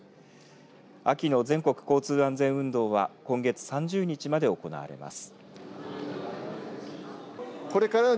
秋の全国交通安全運動は今月３０日まで行われます。